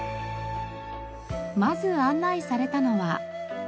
まず案内されたのは。